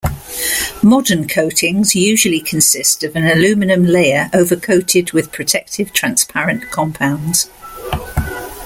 Modern coatings usually consist of an aluminum layer overcoated with protective transparent compounds.